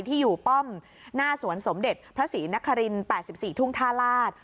ที่อยู่ป้อมหน้าสวนสมเด็จพระศรีนคริน๘๔ทุ่งท่าลาศ